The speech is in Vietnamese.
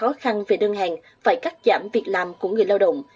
doanh nghiệp gặp khó khăn về đơn hàng phải cắt giảm việc làm của người lao động